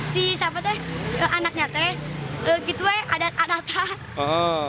si siapa itu anaknya itu gitu ada anaknya